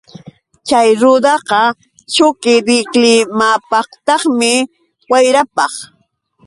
Chay rudaqa chukidiklimapaqtaqmi, wayrapaq.